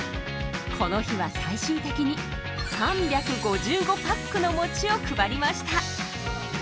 この日は最終的に３５５パックのもちを配りました！